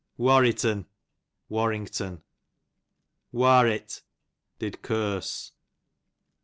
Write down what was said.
Warritt'n, Warrington. Warrit, did curse.